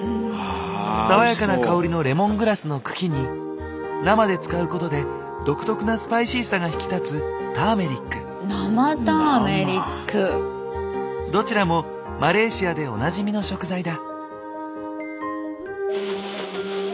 爽やかな香りのレモングラスの茎に生で使うことで独特なスパイシーさが引き立つどちらもマレーシアでおなじみの食材だ。